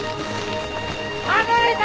離れて！